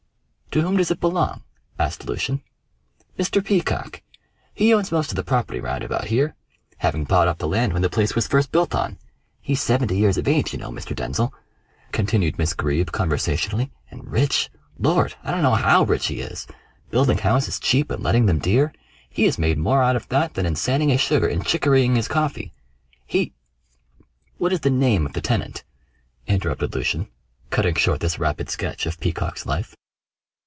"To whom does it belong?" asked Lucian. "Mr. Peacock; he owns most of the property round about here, having bought up the land when the place was first built on. He's seventy years of age, you know, Mr. Denzil," continued Miss Greeb conversationally, "and rich! Lord! I don't know how rich he is! Building houses cheap and letting them dear; he has made more out of that than in sanding his sugar and chicorying his coffee. He " "What is the name of the tenant?" interrupted Lucian, cutting short this rapid sketch of Peacock's life.